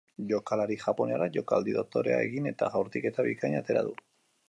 Jokalari japoniarrak jokaldi dotorea egin eta jaurtiketa bikaina atera du.